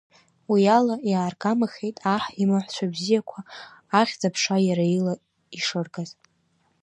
Уи ала иааргамахеит аҳ имаҳәцәа бзиақәа ахьӡ-аԥша иара ила ишыргаз.